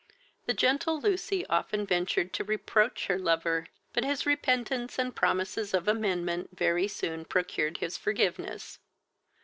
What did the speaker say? The gentle Lucy often ventured to reproach her lover, but his repentance and promises of amendment very soon procured his forgiveness.